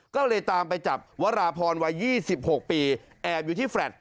ก็เลยตามไปจับวราพรวัย๒๖ปีแอบอยู่ที่แฟลต